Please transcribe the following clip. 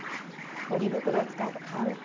ポリ袋を使えば簡単。